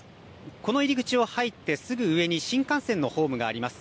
この入り口を入ってすぐ上に新幹線のホームがあります。